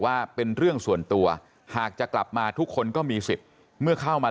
ว่าเป็นเรื่องส่วนตัวหากจะกลับมาทุกคนก็มีสิทธิ์เมื่อเข้ามา